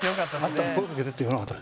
会ったら声かけてって言わなかった？